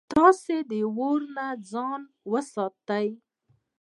تاسي د اور نه ځان وساتئ